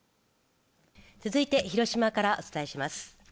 続いて広島からお伝えします。